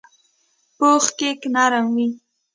پوخ کیک نر وي